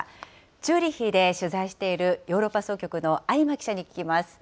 チューリヒで取材しているヨーロッパ総局の有馬記者に聞きます。